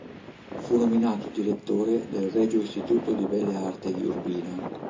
Fu nominato direttore del Regio Istituto di Belle Arti di Urbino.